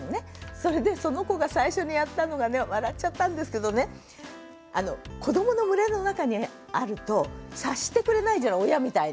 それでその子が最初にやったのがね笑っちゃったんですけどね子どもの群れの中にあると察してくれないじゃない親みたいに。